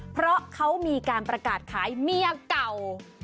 เพราะเขามีการประกาศขายเมียเก่า